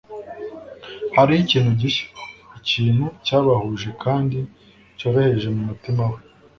hariho ikintu gishya, ikintu cyabahuje kandi cyoroheje mumutima we